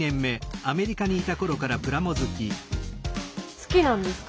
好きなんですか？